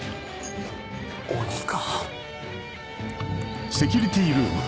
鬼か？